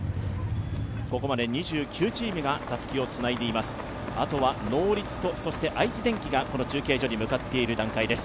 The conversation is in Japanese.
ここまで２９チームがたすきをつないでいます。